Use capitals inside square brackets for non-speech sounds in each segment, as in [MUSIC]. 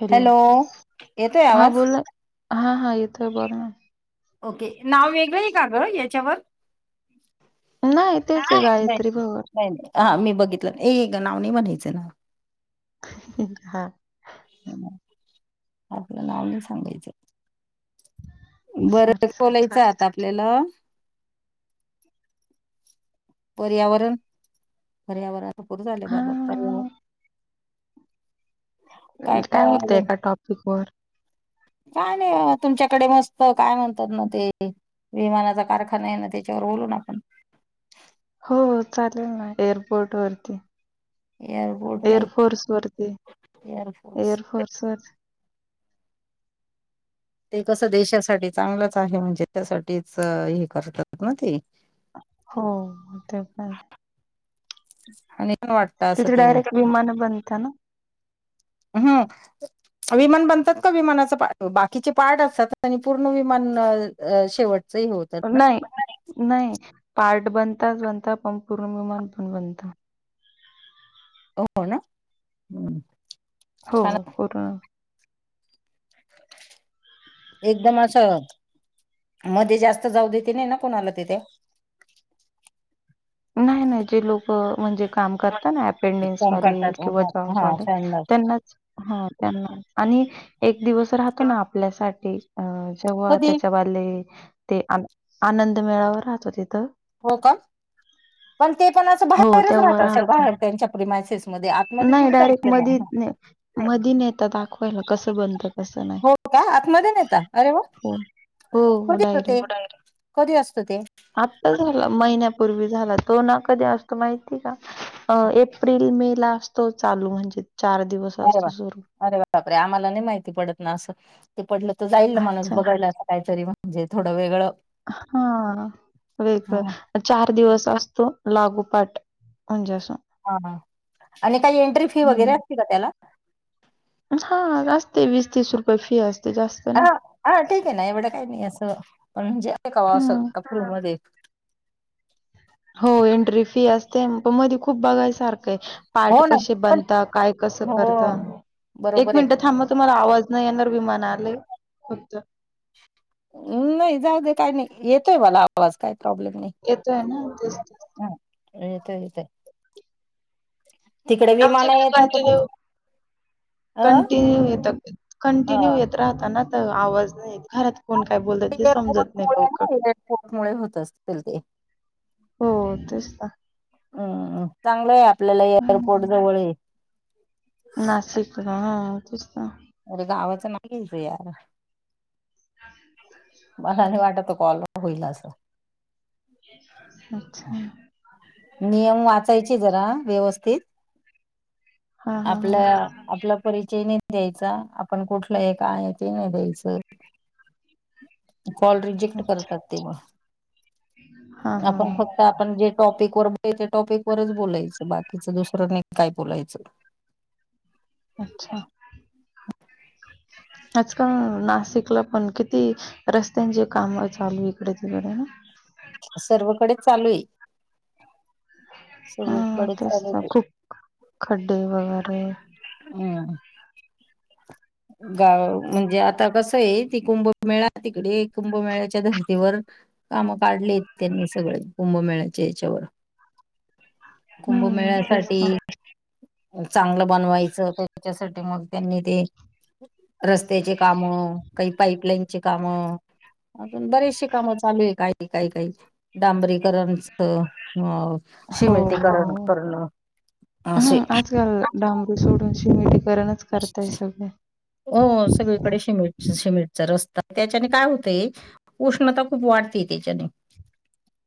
Hello येतोय हा आवाज? बोला हा हा यथोय बोल ना ओके नाव वेगळं आहे का ग याच्यावर नाही तेच नाही गायत्री बघ नाही नाही हा मी बघितलं ए ग नाव नाही म्हणायचं ना हा आपला लावला सांगायचं बरं सॉरी सॉरी बोलायचं आता आपल्याला पर्यावरण पर्यावरणातपूर झाले हा बाबा पर्यावरण काय होतं एका टॉपिक वर काय नाही तुमच्याकडे मस्त काय म्हणतात ना ते विमानाचा कारखाना आहे ना त्याच्यावर बोलून आपण हो चालेल ना एअरपोर्ट वरती एअरपोर्ट नाही एअरफोर्स वरती एअरफोर्स वर ते कसं देशासाठी चांगलंच आहे म्हणजे त्या त्यासाठीच हे करतात ना ते हो ते पण आणि पण वाटत असं तिथे ते डायरेक्ट विमान बनता ना हम्म. विमान बनतात का विमानाच बाकीचे पार्ट असतात आणि पूर्ण विमान शेवट नाही नाही. पार्ट बनताच बनता पण पूर्ण विमान पण बनत हो हो ना हम्म. हो छान हो पुर्ण [UNINTELLIGIBLE] एकदम असं मध्ये जास्त जाऊ देते नाही ना कोणाला तिथे [UNINTELLIGIBLE] नाही नाही जे लोक म्हणजे काम करत ना अेंडेन्स काम वाले करतात किंवा हा जॉबवाले सांगणार त्यांनाच ह त्यांनाच आणि एक दिवस राहतो ना आपल्यासाठी अ जेव्हा कधी त्याच्या वाले ते आनं आनंद मेळावर राहतो तिथं. हो का पण ते पण असं हो, बाहेरच तेव्हा राहत अस राहतो. बाहे त्यांच्या प्रिमा नाही डायरेक्ट मधी मध न येतात दाखवायला कसं बनतात. हो का आतमध्ये नता अरे वा हो. हो, होतीेत हो तिथ ते कधी असतो ते. आता झाला महिन्यापूर्वी झाला तो ना कधी असतो माहिती का एप्रिल मे ला असतो चालू म्हणजे दिवस अरे असतो वा सुरू. अरे बाप रे आम्हाला नाही माहिती पडत ना असं ते पडलं तर जाईल ना माणूस अच्छा. बघायला असं काहीतरी म्हणजे थोड वेगळं. हा वेगळ हम्म. चार दिवस असतो लागू पाठ म्हणजे असं हा हा आणि काही एंट्री फी वगैरे असते का त्याला. हा असते वीस तीस रुपये फी अस हा हा ठीक आहे ना एवढं काही नाही असं पण म्हणजे का बा असं हं. का फ्री मध्ये. हो एंट्री फी असते पण मध्ये खूप बघायसारखं सारखं आहे पार्ट हो ना कसे पण बनता काय कस हो करता एक बरोबर आहे मिनट थांबा तुम्हाला आवाज नाही येणार विमान आलय कोणतं. ऊ नाही जाऊ दे काही नाही येतोय मला आवाज काय येतोय ना तेच ते हा येतोय येतय तिकडे आमच्या विमान इकडे येतात त कंटिन्यू कंटिन्यू येतात हा कंटिन्यू येत राहताना तर आवाज नाही येत. घरात कोण काय बोलत ते एअरपोर्ट समजत नाही मुळे लवकर. ना एअरपोर्ट मुळे होत असतील ते हो तेच ना. हम्म चांगल आहे आपल्याला एअरपोर्ट जवळ आहे. नाशिक हा तेच ना. अरे गावाचं नाही घ्यायच यार. [UNINTELLIGIBLE] मला नाही वाटत तो कॉल होईल असं. अच्छा. नियम वाचायचे जरा व्यवस्थित. हा हा हा आपला आपला परिचय नाही द्यायच चा आपण कुठलं आहे काय आहे ते नाही द्यायचं. कॉल रिजेक्ट अच्छा करतात ते म हा हा आपण हा फक्त आपण जे टॉपिक वर त्या टॉपिक वरच बोलायचं बाकीच दुसर नाही काय बोलायचं. अच्छा. आजकाल नाशिकला पण किती रस्त्यांचे काम चालू इकडे तिकडे ना. सर्वकडेच चालू आहे सगळीकडच चालू आहे तशी. खड्डेे वगैरे. [INAUDIBLE] हम्म गाव म्हणजे आता कस आहे ती कुंभमेळा- तिकडे कुंभमेळ्याच्या धर्तीवर काम काढलेत त्यांनी सगळे कुंभमेळ्याच्या याच्यावर. हम्म तेच कुंभमेळ्यासाठी ना चांगलं बनवायचं त्यांच्यासाठी मग त्यांनी ते रस्त्याचे काम काही पाईपलाईनचे काम बरीेचशी कामं चालू आहे- काही ती काही- काही डांबरी करण च मग शीमेंटी -करण- करणं. अ हा.. असे आजकाल डांबरी सोडून शिमेडी [INAUDIBLE] हो सगळीकडे शिमेट -शिमेटचा रस्ता त्याच्याने काय होतय, उष्णता खूप वाढते त्याच्याने.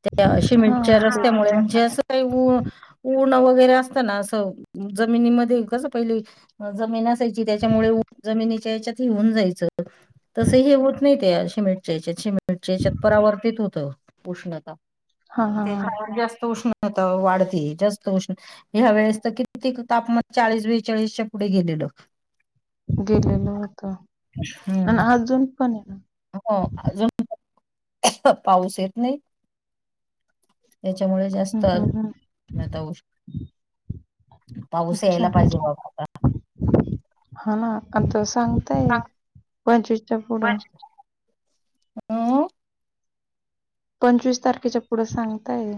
त्या शीमेंट हा च्या ते रस्त्यामुळे पण आहे म्हणजे असं काही ऊ- ऊन उटन वगैरे असतं ना असं जमिनीमध्ये कसं पहिले जमीन अस असायची त्याच्यामुळे ऊ -जमनी च्या हेच्यात ची -ऊन जायच- तस हे होत नाही त्या शीमेंट च्या याच्यात शीमेंट शिमेंटच्या येण्यात परावर्तीत होतं उष्णता हा हा हा त्याच्यामुळे जास्त उष्ण आता वाढते जास्त उष्ण- ह्या वेळेस तर किती- तापमान चाळीस- बेचाळीस च्या पुढे गेलेलो. गेलेलो होतो [INAUDIBLE] हम्म आणि अजून पण आहे न. हो अजून पाऊस [INAUDIBLE] येत नाही. त्याच्यामुळे जास्त हम्म हम्म हम्म उष्णता होऊ शकते. पाऊस अच्छा यायला पाहिजे बाबा -आता. [INAUDIBLE] हा ना आता सांगताय पंचवीसच्या पुढं. हं..... पंचवीस तारखेच्या पुढे सांगतायत.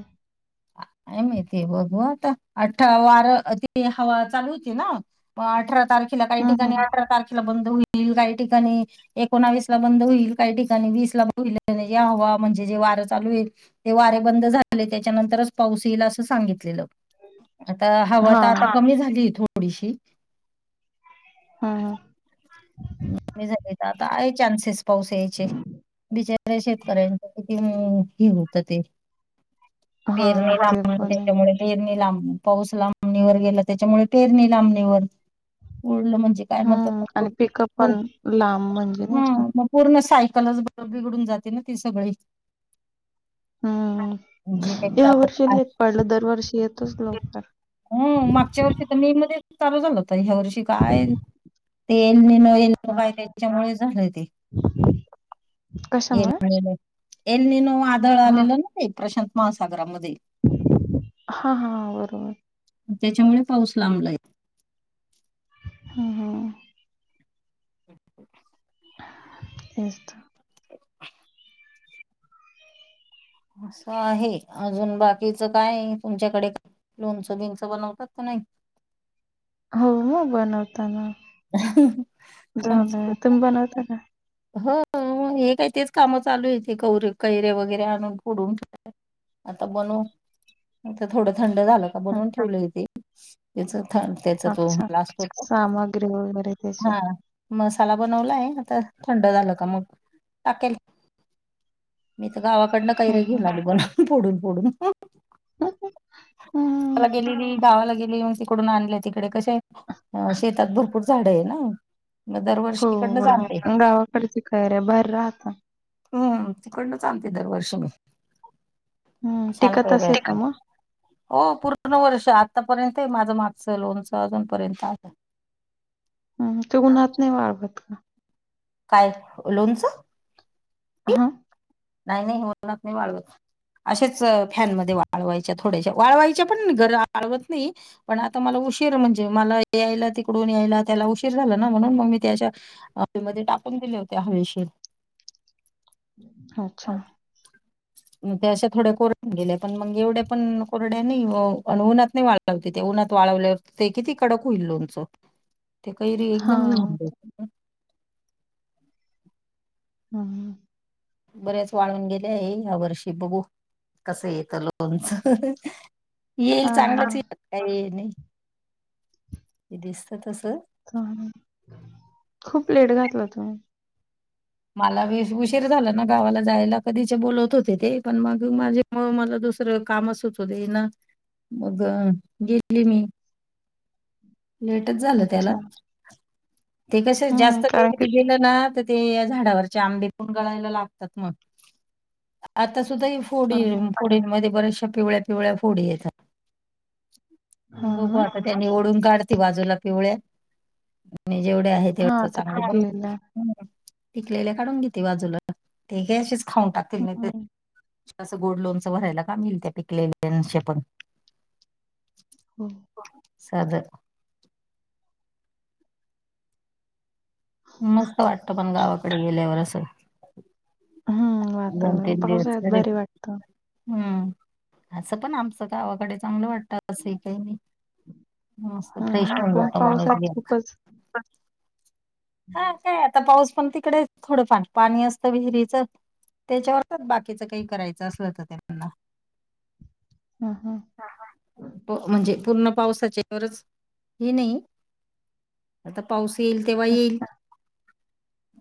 ह [INAUDIBLE] काय माहती बघू आता अठा- वार अती हवा चालू होती ना म अ अठरा तारखेला काही हं, हं. ठिकाणी अठरा तारखेला बंद होई बंद होईल काही ठिकाणी एकोणावीस ला बंद होईल काही ठिकाणी वीस -ला बंद होईल, या हवा म्हणजे जेव्हा वार चालू येत ते वारे बंद झाले त्याचे त्या नंतर पाऊस येईल अस सांगितलेल, आता हवा -आता हां. ह कमी झाली थोडी थोडशी हा. ह.. हवा -कमी झाली आता आहे चान्सेस पाऊस यायचे बिचाऱ्या -शेतकऱ्यांचे -किती [UNINTELLIGIBLE] होत ते पेरनी हां, ते लांब- पण आहे. त्याच्यामुळे- पेरणी लांब पाऊस लांबणीवर गेला त्याच्यामुळे पेरणी लांबणीवर कुडलं -म्हणजे काय- म्हणतात हं त्याला आणि पिकअप पण लांब म्हणजे नाही का? पूर्ण सायकलच बिघडून- जाते ना ती सगळी. जी हम्म.. या वर्षीेत नाही लेट पाडला दरवर्षी येत हूं मागच्या वर्षी तर मे मध्ये चालू झालं होत ह्या वर्षी काय ते येनी न येल [UNINTELLIGIBLE] हां, त्यांच्यामुळे झालय ते. एल कशामुळे? निनो - एल निनो वादळ हां. आलेलं ना ते प्रशांत महासागरामध्ये हा- हा बरोबर त्याच्यामुळे पाऊस लांबलाय ह. हा.. [INAUDIBLE] [INAUDIBLE] तेचत [UNINTELLIGIBLE] अस आहे अजून बाकीच काय तुमच्याकडे -लोणचं बिंच बनवतात नाही. हो हो बनवताना झालं तुम्ही बनवताना हो हो हे काय तेच काम चालू आहेेते कुवरू कौरे कैरे वगैरे आणून फोडून आता बनऊ थोडं थंड झालं का हं, बनवून ठेवलंेते त्याच. हा त्याचा तो अच्छा. लास्तट फोटो सामग्री वगैरे त्याची. मसाला बनवलाय आता थंड झालं का मग टाकेल मी गावाकडन हं, कौरौया हं. घेऊन आली फोडून फोडून हं, हं. हं. त्याला गेलेली गावाला गेली मग ते तिकडून आणल्या तिकडे कशे शेतात भरपूर झाड आहे ना. मी दरवर्षीतीकडनंच आणते. बर त्या कौरय भारी राहतात. हम्म तिकडूनचांते दरवर्षी मी हं, छान टिकत प्रोग्रेस असेल ना आहे मग? हो पूर्ण वर्षा आत. आतापर्यंत माझं मागचं लोनचं अजूनपर्यंत आहे. हम् ते उन्हात नाही वाळवत का? काय लोनच ह. नाही नाही होत ऊनात नाही वाळवत. अशेच फॅनमध्ये वाळवायच्या थोड्याशा वाळवायच्या पण घरी वाळवत नाही पण आता मला उ उशीर म्हणजे मला यायला तिकडूनून यायला त्याला उशीर झाला ना म्हणून मग मी त्या अशा हवेत मध्ये टक. टाकून दिले होते्या हवेशीर अच्छा. ग त्या अशा थोड्या कोरड गेल्या पण मग एवढ्या पण कोरड्या नाही अन ऊनात नाही वाळवती त्या ऊनात वाळवले ते किती कडक होईल लोणचं. ते कैरी एकदम हां, ला [INAUDIBLE] हम् हं. बऱ्याच वाळून गेले आहे येईल वर्षी बघू कसं येत लोणच येईल चांगलंच हां, ये काय ये नाही दिसत तस ह खूप लेट घातला तुम्ही मला वि उशीर झाला ना गावाला जायला कधी बोलवत होते ते पण मग माझे मला दुसरं कामच होते ना मग गेली मी लेटच झालं त्याला अच्छा. ते कसं‌‌ हं, जास्त ते कारण की गेलं ना. ते या झाडावरचे आंबे पण गळायला लागतात मग आता सुद्धा ह फोडी हां, हां. फोडीमध्येध्येबऱ्याचशा पिवळ्या पिवळ्या फोडी येतात. हां ना. कुंभकता त्यांनी ओढून काढते बाजूला पिवळ्या आणि जेवढे आहे हां, तेवढ्याच आता चांगले पण पिकलेलं आहे. होते. पिकलेल्या काढून घेते बाजूला ते का अशीच खाऊन टाकतील नाही ते हं, असं गोड लोणचं भरायला कामी येईल त्या पिकलेल्या‌‌ श पण हो. साध मस्त वाटत पण गावाकडे गेल्यावर असं. हं, दोन वातावरण तीन दिवस पावसाळ्यात झाले. भारी वाटतं. हम्म असं पण आमचं गावाकडे चांगलं वाटत असही काही नाही. मस्त हां फ्रेश ना, प पण पावसाळ्यात ज खूपच [INAUDIBLE] हा काय आता पाऊस पण तिकडे थोडंफार पाणी असतं विहिरीच त्याच्यावरच बाकीच काही करायचं असल तर त्यांना हां, हां. [UNINTELLIGIBLE] तो म्हणजे पूर्ण पावसाच्यावरच हे नाही आता पाऊस येईल तेव्हा येईल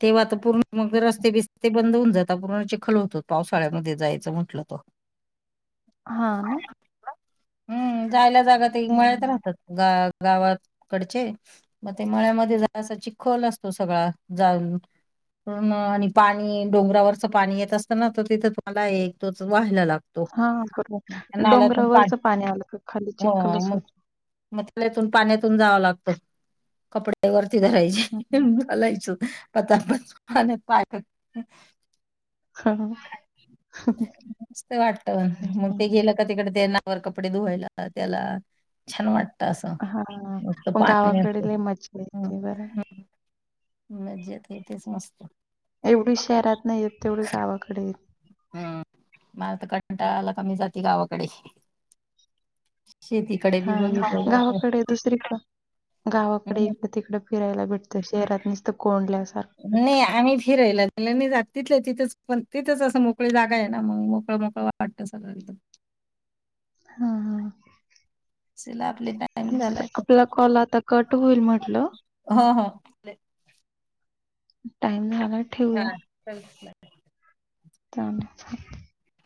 तेव्हा पुर्ण मग रस्ते बिस्ते बंद होऊन जातात. आतापुर्ण चिखल होत पावसाळ्यामध्ये जायचं म्हंटलं त- हा ना हम्म जायला जागा ते मळ्यात हं. राहतात ग [INAUDIBLE] गावाकडचे मग ते मळ्यामध्ये जरासा चिखोल असतो सगळा जाऊ [INAUDIBLE] [UNINTELLIGIBLE] आणि पाणी डोंगरावरच पाणी येत असत ना तर तिथं मला एक तोच व्हायला लागत तो हां, त्या बरोबर. नाल्यातुन डोंगरावरचं पाणी आलं का खाली व चिखलच मग होतं. [INAUDIBLE] नाल्यातून पाण्यातुन जाव लागतो कपड्या वरती धरायचे घालायच पता पच आणि पाय [INAUDIBLE] हं, मस्त वाटत मग ते हं. गेलं का तिकडे ते ना वर कपडे धुवायला त्याला छान वाट त अस हां, मस्त पण पाणी गावाकडे लई मज्जा असतं - येते बरं. [INAUDIBLE] मज्जेत हे तेच मस्त एवढी शहरात नाही य तेवढी गावाकडे येते हम्म मला तर कंटाला आला की मी जाते गावाकडे शेतीकडे बी हां ना, बघित गावाकडे [INAUDIBLE] दुसरीकडं गावाकडे इकडं, तिकडं फिरायला भेटतं शहरात नसत कोंडल्या नाही आम्हीच हि राहिला दि जात तिथलं तिथेच पण तिथेच असं मोकळी जागा आहे ना मग मोकळं मोकळ वाटत सगळं एकदम हां, हां. सिला [INAUDIBLE] लय टाईम तेच तर. झालाय आपला कॉल आता कट होईल म्हटलं. हो हो टाइम झाला हा ठेवूया. चल. धन्यवाद.